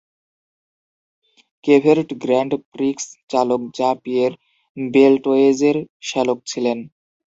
Cevert grand prix চালক Jean-Pierre বেলটোয়েজের শ্যালক ছিলেন।